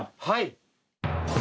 はい。